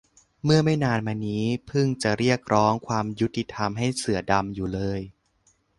เมื่อไม่นานมานี้เพิ่งจะเรียกร้องความยุติธรรมให้เสือดำอยู่เลย